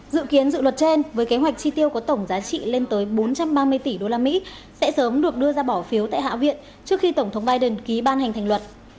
dự kiến dự luật trên với kế hoạch chi tiêu có tổng giá trị lên tới bốn trăm ba mươi tỷ usd sẽ sớm được đưa ra bỏ phiếu tại hạ viện trước khi tổng thống biden ký ban hành thành luật